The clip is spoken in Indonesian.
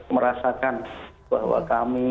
merasakan bahwa kami